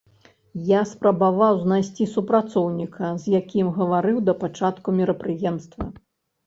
Я спрабаваў знайсці супрацоўніка, з якім гаварыў да пачатку мерапрыемства.